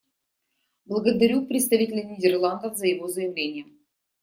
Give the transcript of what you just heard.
Благодарю представителя Нидерландов за его заявление.